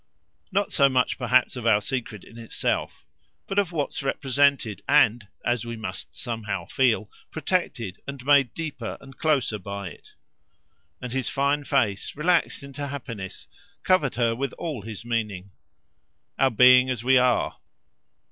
"Not so much perhaps of our secret in itself, but of what's represented and, as we must somehow feel, secured to us and made deeper and closer by it." And his fine face, relaxed into happiness, covered her with all his meaning. "Our being as we are."